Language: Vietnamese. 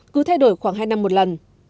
cứ thay đổi khoảng hai năm một lần